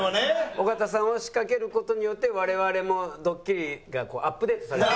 尾形さんを仕掛ける事によって我々もドッキリがアップデートされていく。